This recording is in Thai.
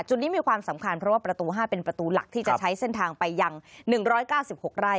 จุดนี้มีความสำคัญเพราะว่าประตู๕เป็นประตูหลักที่จะใช้เส้นทางไปยัง๑๙๖ไร่